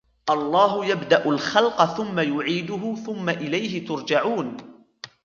الله يبدأ الخلق ثم يعيده ثم إليه ترجعون